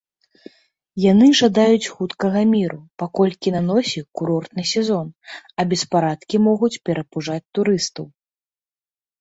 Яны жадаюць хуткага міру, паколькі на носе курортны сезон, а беспарадкі могуць перапужаць турыстаў.